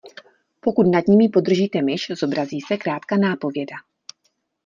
Pokud nad nimi podržíte myš, zobrazí se krátká nápověda.